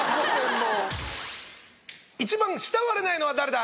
「一番慕われないのは誰だ！？